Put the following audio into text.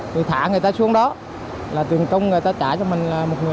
rồi thả người ta xuống đó là tiền công người ta trả cho mình là một người bảy trăm linh